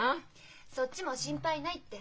そっちも心配ないって。